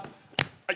はい。